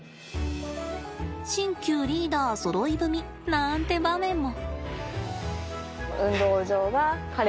新旧リーダーそろい踏みなんて場面も。